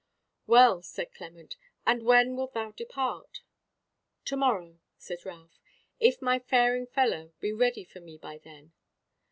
"Well," said Clement, "and when wilt thou depart?" "To morrow," said Ralph, "if my faring fellow be ready for me by then."